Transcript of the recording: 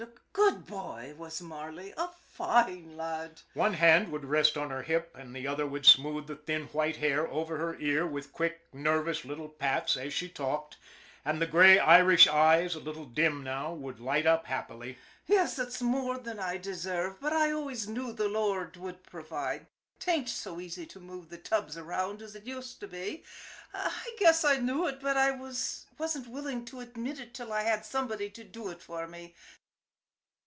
A good bhoy was Marley a foine lad." One hand would rest on her hip, and the other would smooth the thin white hair over her ear with quick, nervous, little pats as she talked, and the gray Irish eyes, a little dim now, would light up happily. ' Yes, ut's more than I deserve ; but I always knew the Lord wud provide. 'Tain't so easy to move the tubs around as it uster be. I guess I knew it, but I wasn't willin' to admit it till I had somebody to do it for me.